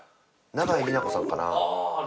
永井美奈子さん。